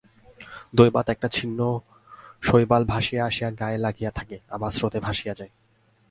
দৈবাৎ একটা ছিন্ন শৈবাল ভাসিয়া আসিয়া গায়ে লাগিয়া থাকে, আবার স্রোতে ভাসিয়া যায়।